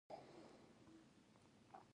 د دانو لپاره د نیم د ونې پاڼې وکاروئ